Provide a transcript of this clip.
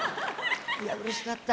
いや、うれしかった。